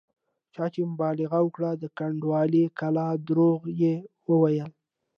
چا چې مبالغه وکړه د کنډوالې کلا درواغ یې وویل.